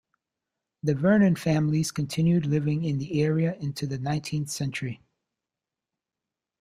The Vernon families continued living in the area into the nineteenth century.